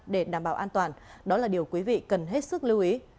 để đảm bảo an toàn đó là điều quý vị cần hết sức lưu ý